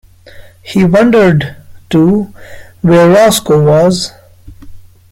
He wondered, too, where Roscoe was.